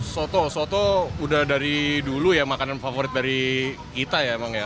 soto soto udah dari dulu ya makanan favorit dari kita ya emang ya